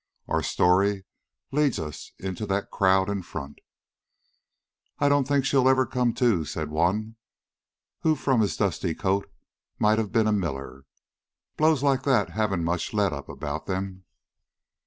Our story leads us into the crowd in front. "I don't think she'll ever come to," said one, who from his dusty coat might have been a miller. "Blows like that haven't much let up about them."